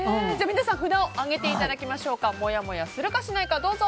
皆さん札を上げていただきましょうか。